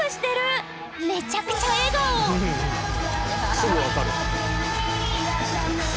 すぐ分かる。